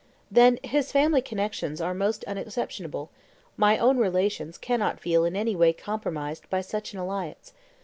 Then, his family connections are most unexceptionable; my own relations cannot feel in any way compromised by such an alliance.